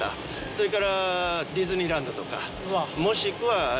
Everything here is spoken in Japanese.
それからディズニーランドとかもしくは温泉ですね